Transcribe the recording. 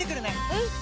うん！